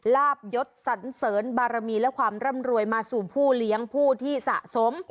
ลาบยศสันเสริญบารมีและความร่ำรวยมาสู่ผู้เลี้ยงผู้ที่สะสม